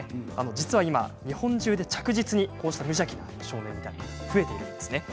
実は今、日本中で着実にこうした無邪気な少年が増えています。